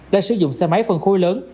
đã sử dụng xe máy phân khối lớn